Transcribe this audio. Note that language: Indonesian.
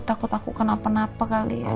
takut takut kena apa apa kali ya